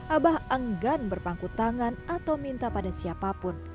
abah enggan berpangku tangan atau minta pada siapapun